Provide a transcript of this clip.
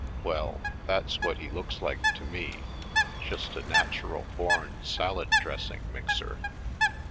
Well, that's what he looks like to me, just a natural born salad dress ing mixer.